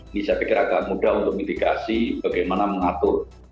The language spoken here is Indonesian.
ini saya pikir agak mudah untuk mitigasi bagaimana mengatur